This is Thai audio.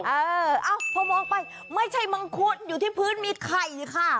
เออเอ้าพอมองไปไม่ใช่มังคุดอยู่ที่พื้นมีไข่ค่ะ